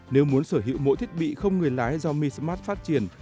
nếu muốn sở hữu mỗi thiết bị không người lái do mi smart phát triển